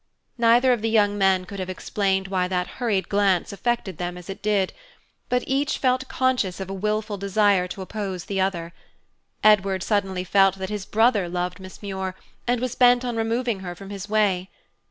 Neither of the young men could have explained why that hurried glance affected them as it did, but each felt conscious of a willful desire to oppose the other. Edward suddenly felt that his brother loved Miss Muir, and was bent on removing her from his way.